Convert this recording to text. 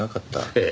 ええ。